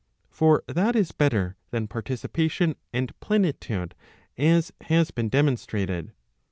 For that is better than participation and plenitude, as has been demonstrated.